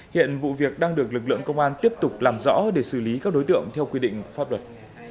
hiện vụ việc đang được lực lượng công an tiếp tục làm rõ để xử lý các đối tượng theo quy định pháp luật